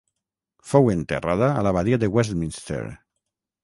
Fou enterrada a l'Abadia de Westminster.